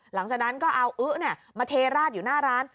หลังจากนั้นก็เอาอื้อมาเทราดอยู่หน้าร้าน